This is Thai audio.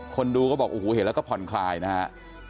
คนดูก็บอกโอ้โหเห็นแล้วก็ผ่อนคลายนะครับ